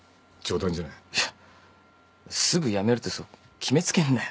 いやすぐ辞めるってそう決め付けんなよ。